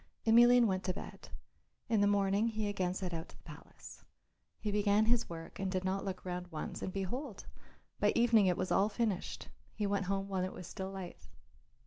Emelian went to bed. In the morning he again set out to the palace. He began his work and did not look round once, and behold! by evening it was all finished; he went home when it was still light.